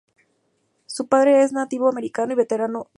Su padre era nativo americano y veterano de Vietnam.